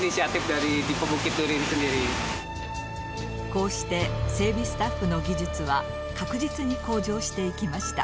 こうして整備スタッフの技術は確実に向上していきました。